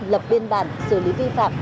lập biên bản xử lý vi phạm